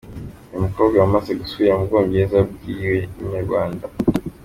Uyu mukobwa wamaze gusubira mu Bwongereza, yabwiye Inyarwanda.